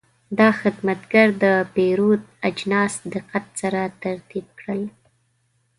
دا خدمتګر د پیرود اجناس دقت سره ترتیب کړل.